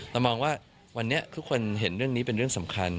เรามองว่าวันนี้ทุกคนเห็นเรื่องนี้เป็นเรื่องสำคัญ